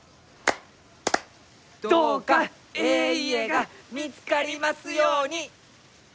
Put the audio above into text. どうかえい家が見つかりますように！